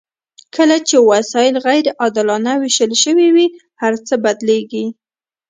کله چې وسایل غیر عادلانه ویشل شوي وي هرڅه بدلیږي.